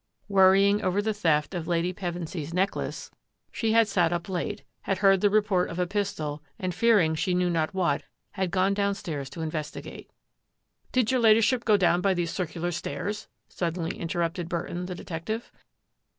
Worrying over the theft of Lady Pevensy's neck 60 THAT AFFAIR AT THE MANOR lace, she had sat up late, had heard the report of a pistol, and fearing she knew not what, had gone downstairs to investigate. " Did your Ladyship go down by these circular stairs?" suddenly interrupted Burton, the detec tive.